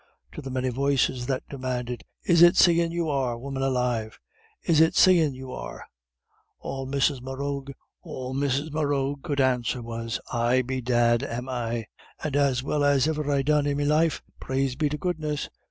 To the many voices that demanded: "Is it seein' you are, woman alive? Is it seein' you are?" all Mrs. Morrough could answer was: "Ay, bedad am I, and as well as iver I done in me life praise be to goodness.